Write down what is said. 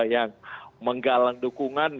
yang menggalang dukungan